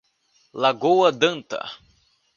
Lagoa d'Anta